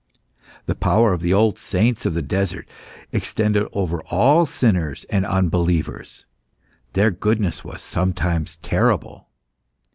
The power of the old saints of the desert extended over all sinners and unbelievers. Their goodness was sometimes terrible.